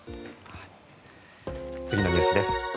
次のニュースです。